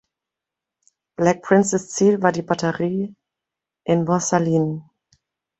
Black Princes Ziel war die Batterie in Morsalines.